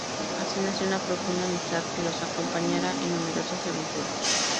Así nace una profunda amistad que los acompañará en numerosas aventuras.